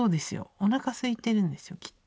おなかすいてるんですよきっと。